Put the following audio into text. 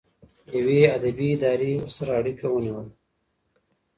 یوه ادبي اداره ورسره اړیکه ونیوله.